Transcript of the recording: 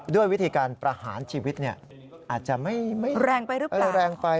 ด้วยวิธีการประหารชีวิตนี่อาจจะไม่แรงไป